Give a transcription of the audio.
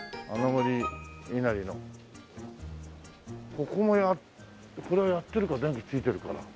ここもこれはやってるか電気ついてるから。